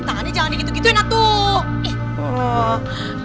ih tangannya jangan digitu gituin atuh